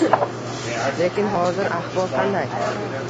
Lekin hozir ahvol qanday?